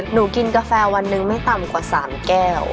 หนูกินกาแฟวันหนึ่งไม่ต่ำกว่า๓แก้ว